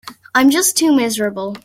I'm just too miserable.